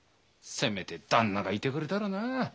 せめて旦那がいてくれたらなあ。